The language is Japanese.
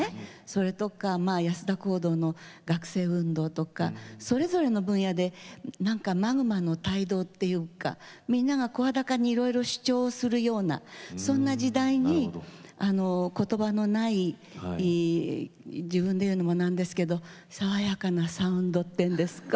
それとか安田講堂の学生運動とかそれぞれの分野でマグマの胎動っていうかみんなが声高にいろいろ主張するようなそんな時代に、ことばのない自分で言うのもなんですけど爽やかなサウンドっていうんですか。